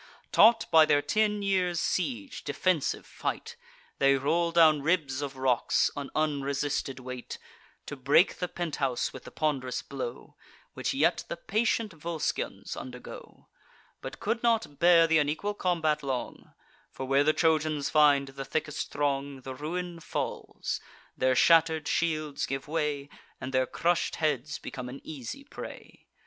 Taught, by their ten years' siege, defensive fight, They roll down ribs of rocks, an unresisted weight, To break the penthouse with the pond'rous blow, Which yet the patient Volscians undergo: But could not bear th' unequal combat long; For, where the Trojans find the thickest throng, The ruin falls: their shatter'd shields give way, And their crush'd heads become an easy prey.